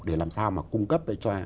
để làm sao mà cung cấp lại cho